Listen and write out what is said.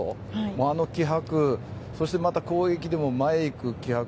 あの気迫そして攻撃でも前に行く気迫